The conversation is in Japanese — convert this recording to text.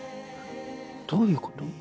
どういうこと？